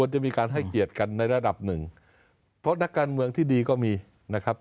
จะมีการให้เกียรติกันในระดับหนึ่งเพราะนักการเมืองที่ดีก็มีนะครับ